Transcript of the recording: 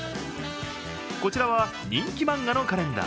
こちらは人気漫画のカレンダー。